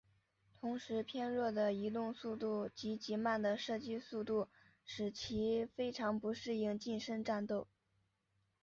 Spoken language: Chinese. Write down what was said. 同时偏弱的移动速度及极慢的射击速度使其非常不适应近身战斗。